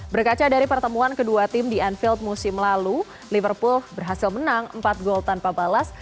berkaca dari pertemuan kedua tim di anfield musim lalu liverpool berhasil menang empat gol tanpa balas